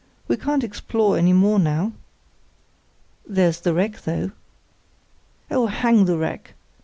We can't explore any more now." "There's the wreck, though." "Oh, hang the wreck!